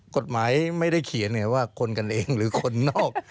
กฎหมายไม่ได้เขียนไงว่าคนกันเองหรือคนนอก